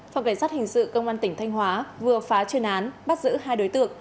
phòng cảnh sát hình sự công an tỉnh thanh hóa vừa phá chuyên án bắt giữ hai đối tượng